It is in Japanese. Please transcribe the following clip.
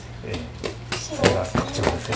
それが特徴ですよね。